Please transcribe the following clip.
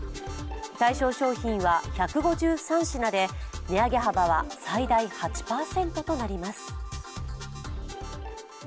対象商品は１５３品で、値上げ幅は最大８％となります。